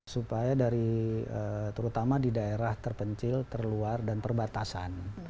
supaya dari terutama di daerah terpencil terluar dan perbatasan